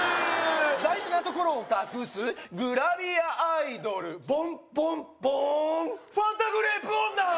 大事なところを隠すグラビアアイドルボンボンボーンファンタグレープ女